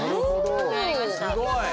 すごい！